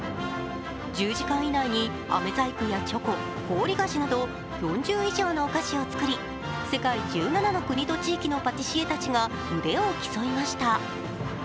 １０時間以内にあめ細工やチョコ、氷菓子など４０以上のお菓子を作り、世界１７の国と地域のパティシエたちが腕を競いました。